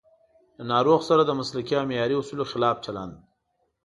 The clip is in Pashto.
له ناروغ سره د مسلکي او معیاري اصولو خلاف چلند